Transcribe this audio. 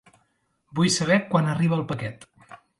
Vull saber quan arriba el paquet.